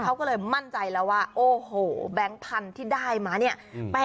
เขาก็เลยมั่นใจแล้วว่าโอ้โหแบงค์พันธุ์ที่ได้มาเนี่ย